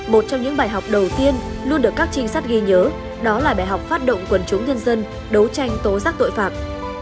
một trong những bài học đầu tiên luôn được các trinh sát ghi nhớ đó là bài học phát động quần chúng nhân dân đấu tranh tố giác tội phạm